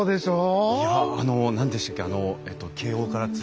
いやあの何でしたっけ？